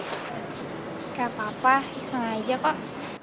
gak apa apa iseng aja kok